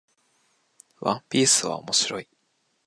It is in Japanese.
ワンピースは面白い